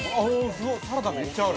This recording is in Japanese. ◆すごっ、サラダめっちゃある。